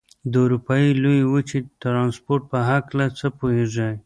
د اروپا لویې وچې د ترانسپورت په هلکه څه پوهېږئ؟